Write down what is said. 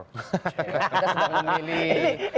kita sedang memilih